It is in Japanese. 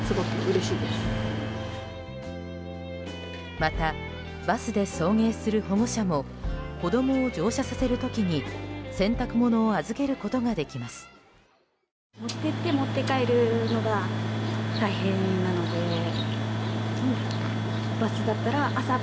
またバスで送迎する保護者も子供を乗車させる時に洗濯物を預けることができます。